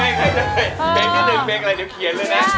เพลงที่๑เพลงอะไรเดี๋ยวเขียนเลยนะ